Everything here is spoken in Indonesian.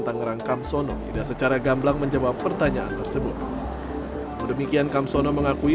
tangerang kamsono tidak secara gamblang menjawab pertanyaan tersebut demikian kamsono mengakui